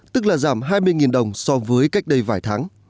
tức là giảm hai mươi đồng so với cách đây vài tháng